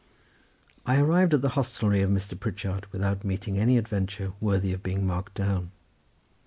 I arrived at the hostelry of Mr. Pritchard without meeting any adventure worthy of being marked down.